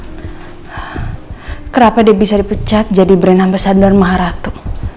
wah kenapa dia bisa dipecat jadi berenam pesadular maharatu